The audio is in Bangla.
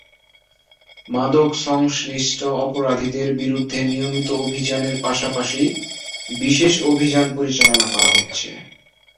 মাদক সংশ্লিষ্ট অপরাধীদের বিরুদ্ধে নিয়মিত অভিযানের পাশাপাশি বিশেষ অভিযান পরিচালনা করা হচ্ছে।